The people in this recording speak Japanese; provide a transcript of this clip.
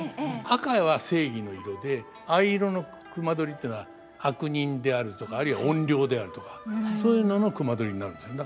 赤は正義の色で藍色の隈取っていうのは悪人であるとかあるいは怨霊であるとかそういうのの隈取になるんですね。